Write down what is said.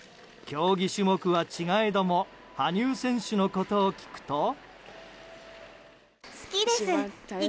競技種目は違えども羽生選手のことを聞くと。